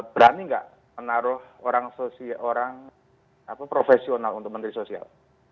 berani nggak menaruh orang sosial orang profesional untuk menteri sosial